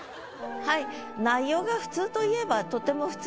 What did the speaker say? はい。